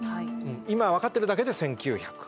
今分かってるだけで１，９００。